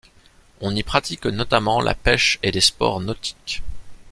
On y pratique notamment la pêche et des sports nautiques.